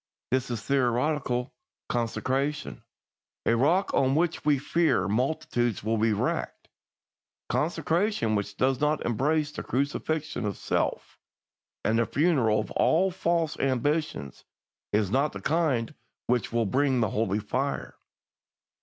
This is theoretical consecration a rock on which we fear multitudes are being wrecked. Consecration which does not embrace the crucifixion of self and the funeral of all false ambitions is not the kind which will bring the Holy Fire.